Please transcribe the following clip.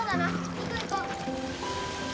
行こう行こう。